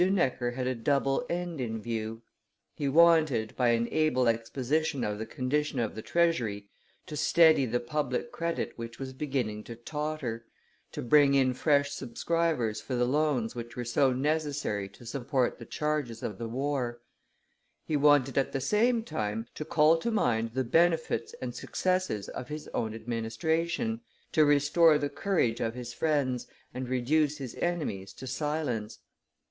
Necker had a double end in view. He wanted, by an able exposition of the condition of the treasury, to steady the public credit which was beginning to totter, to bring in fresh subscribers for the loans which were so necessary to support the charges of the war; he wanted at the same time to call to mind the benefits and successes of his own administration, to restore the courage of his friends and reduce his enemies to silence.